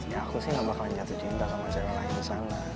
ya aku sih nggak bakalan jatuh cinta sama cewek lain di sana